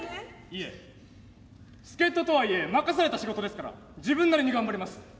いえ助っ人とはいえ任された仕事ですから自分なりに頑張ります。